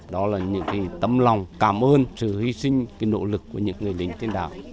đó là những tâm lòng cảm ơn sự hy sinh nỗ lực của những người lính trên đảo